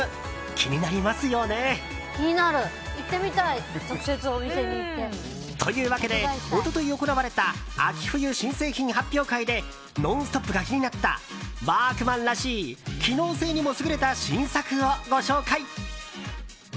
気になりますよね？というわけで、一昨日行われた秋冬新製品発表会で「ノンストップ！」が気になったワークマンらしい機能性にも優れた新作をご紹介。